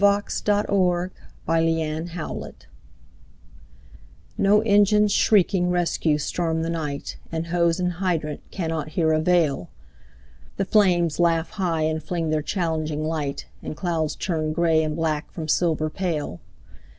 Claude McKay The Night Fire NO engines shrieking rescue storm the night, And hose and hydrant cannot here avail; The flames laugh high and fling their challenging light, And clouds turn gray and black from silver pale.